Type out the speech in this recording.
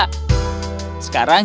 sekarang kita akan hidup bersama